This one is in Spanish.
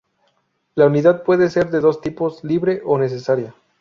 La unidad puede ser de dos tipos: libre o necesaria.